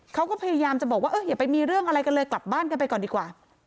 เขาก็พยายามจะบอกว่าเอออย่าไปมีเรื่องอะไรกันเลยกลับบ้านกันไปก่อนดีกว่า